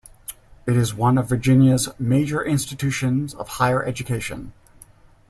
It is one of Virginia's major institutions of higher education.